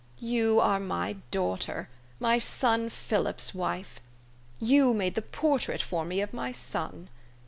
You are my daughter, my son Philip's wife. You made the portrait for me of my son.